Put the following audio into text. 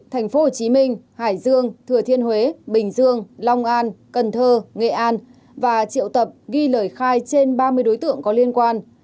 tp hcm hải dương thừa thiên huế bình dương long an cần thơ nghệ an và triệu tập ghi lời khai trên ba mươi đối tượng có liên quan